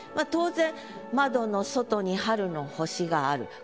当然窓の外に春の星がある。